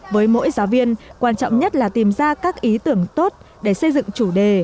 với mỗi giáo viên quan trọng nhất là tìm ra các ý tưởng tốt để xây dựng chủ đề